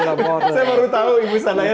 saya baru tahu ibu sana ya